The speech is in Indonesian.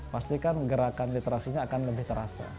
pastikan gerakan literasinya akan lebih terasa